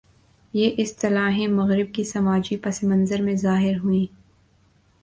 یہ اصطلاحیں مغرب کے سماجی پس منظر میں ظاہر ہوئیں۔